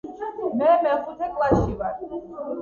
მე მეხუთე კლასში ვარ